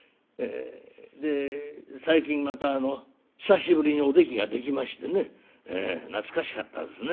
で最近また久しぶりにおできができましてね懐かしかったですね。